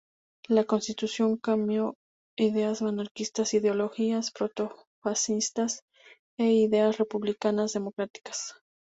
La constitución combinó ideas anarquistas, ideologías proto-fascistas, e ideas republicanas democráticas.